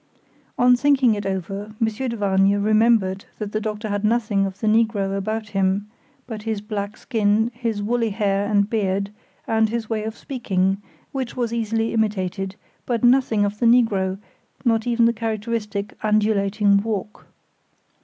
On thinking it over, Monsieur de Vargnes remembered that the doctor had nothing of the negro about him, but his black skin, his woolly hair and beard, and his way of speaking, which was easily imitated, but nothing of the negro, not even the characteristic, undulating walk.